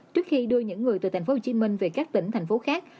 trước khi đưa những người từ tp hcm về các tỉnh thành phố khác